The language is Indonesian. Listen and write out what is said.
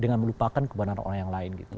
dengan melupakan kebenaran orang yang lain gitu